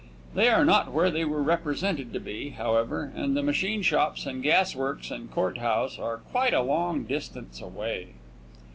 They are not where they were represented to be, however, and the machine shops and gas works and court house are quite a long distance away.